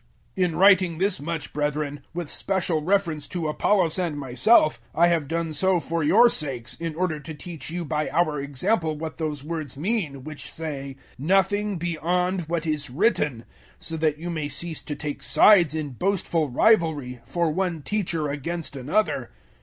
004:006 In writing this much, brethren, with special reference to Apollos and myself, I have done so for your sakes, in order to teach you by our example what those words mean, which say, "Nothing beyond what is written!" so that you may cease to take sides in boastful rivalry, for one teacher against another.